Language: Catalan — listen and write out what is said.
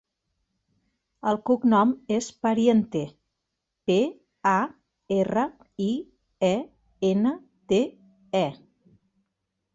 El cognom és Pariente: pe, a, erra, i, e, ena, te, e.